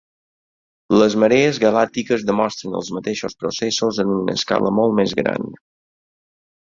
Les marees galàctiques demostren els mateixos processos en una escala molt més gran.